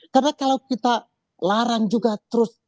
karena kalau kita larang juga terus